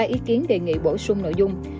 ba ý kiến đề nghị bổ sung nội dung